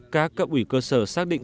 các cấp ủy cơ sở xác định rằng